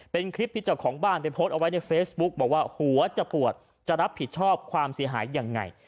เป็นคลิปที่เจ้าของบ้านไปโพสต์เอาไว้ในเฟซบุ๊กบอกว่าหัวจะปวดจะรับผิดชอบความเสียหายยังไง